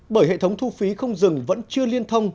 bởi hệ thống thu phí không dừng vẫn chưa liên thông